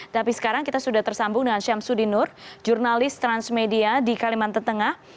tapi sekarang kita sudah tersambung dengan syamsudinur jurnalis transmedia di kalimantan tengah